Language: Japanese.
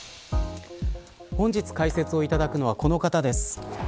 本日解説いただくのはこの方です。